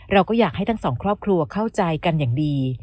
เราก็อยากให้ทั้งสองครอบครัวเข้าใจกันอย่างดี